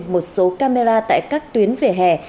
một số camera tại các tuyến vỉa hè